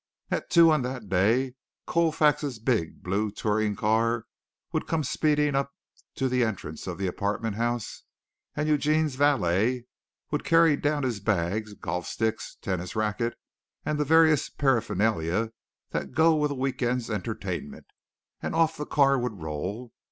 At two, on that day, Colfax's big blue touring car would come speeding up to the entrance of the apartment house and Eugene's valet would carry down his bags, golf sticks, tennis racket and the various paraphernalia that go with a week end's entertainment, and off the car would roll.